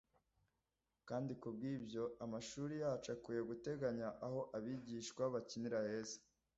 kandi kubw’ibyo amashuri yacu akwiriye guteganya aho abigishwa bakinira heza